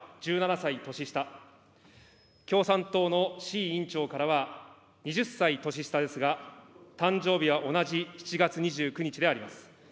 私は、岸田総理からは１７歳年下、共産党の志位委員長からは２０歳年下ですが、誕生日は同じ７月２９日であります。